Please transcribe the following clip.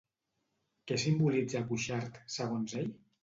Què simbolitza Cuixart, segons ell?